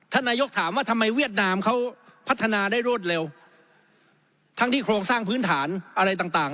นายกถามว่าทำไมเวียดนามเขาพัฒนาได้รวดเร็วทั้งที่โครงสร้างพื้นฐานอะไรต่างต่าง